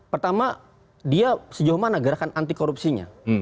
pertama dia sejauh mana gerakan anti korupsinya